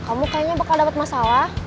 kamu kayaknya bakal dapat masalah